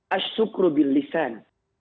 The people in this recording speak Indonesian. ashukru bil lisan